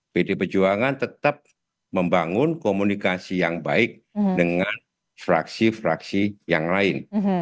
pdi perjuangan tetap membangun komunikasi yang baik dengan fraksi fraksi yang lain